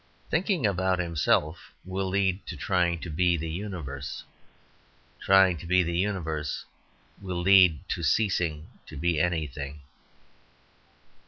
Thinking about himself will lead to trying to be the universe; trying to be the universe will lead to ceasing to be anything.